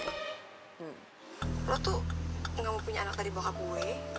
lo tuh gak mau punya anak dari bokaboe